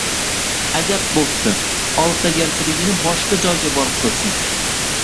Ajab boʻpti, oliftagarchiligini boshqa joyga borib qilsin